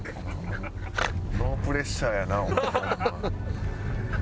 ノープレッシャーやなお前はホンマ。